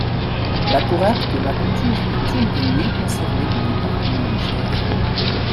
La tourraque de Lacouture est une des mieux conservées du département du Gers.